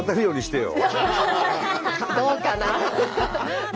どうかな？